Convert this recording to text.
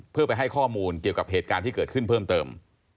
เพื่อไปให้ข้อมูลเกี่ยวกับเหตุการณ์ที่เกิดขึ้นเพิ่มเติม